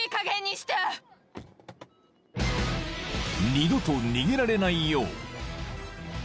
［二度と逃げられないよう］